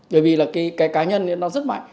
bởi vì cái cá nhân nó rất mạnh